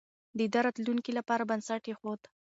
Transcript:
ده د راتلونکي لپاره بنسټ ايښود.